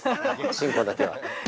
進行だけは。